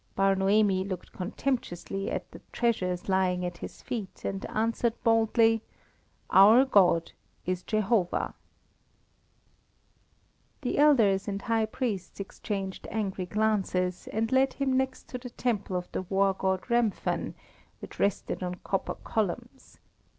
Bar Noemi looked contemptuously at the treasures lying at his feet, and answered boldly: "Our God is Jehovah." The elders and high priests exchanged angry glances, and led him next to the temple of the war god Remphan, which rested on copper columns.